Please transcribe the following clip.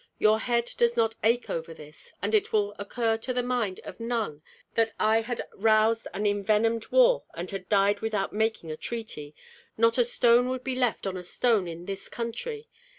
Your head does not ache over this, and it will occur to the mind of none that if I had roused an envenomed war and had died without making a treaty, not a stone would be left on a stone in this country.